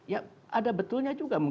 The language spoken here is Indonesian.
ya ada betulnya juga